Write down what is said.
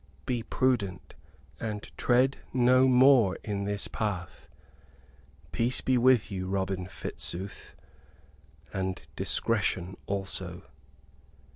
Be prudent and tread no more in this path. Peace be with you, Robin Fitzooth; and discretion also."